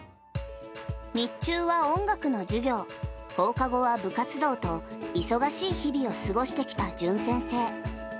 日中は音楽の授業、放課後は部活動と、忙しい日々を過ごしてきた淳先生。